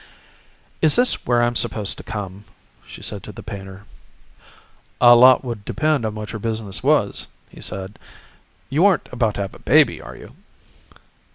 "Is this where I'm supposed to come?" she said to the painter. "A lot would depend on what your business was," he said. "You aren't about to have a baby, are you?"